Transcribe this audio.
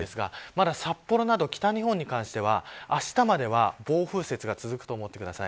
まだ札幌など北日本に関してはあしたまでは暴風雪が続くと思ってください。